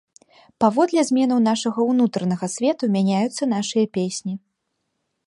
Паводле зменаў нашага ўнутранага свету мяняюцца нашыя песні.